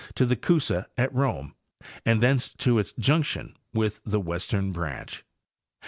109 to the Coosa at Rome, and thence to its junction with the western branch.